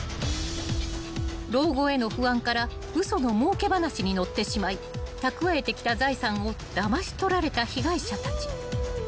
［老後への不安から嘘のもうけ話に乗ってしまい蓄えてきた財産をだまし取られた被害者たち］